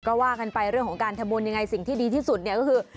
ก็ว่ากันไปเรื่องของการทำบุญยังไงสิ่งที่ดีที่สุดเนี่ยก็คือ